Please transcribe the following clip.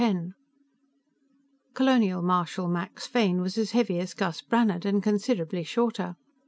X Colonial Marshal Max Fane was as heavy as Gus Brannhard and considerably shorter.